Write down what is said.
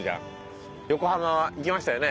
横浜は行きましたよね